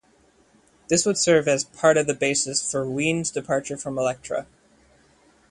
This would serve as part of the basis for Ween's departure from Elektra.